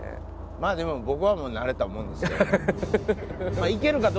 まあでも僕は慣れたもんですけど。